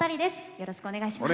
よろしくお願いします！